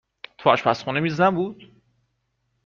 تو آشپزخونه میز نبود؟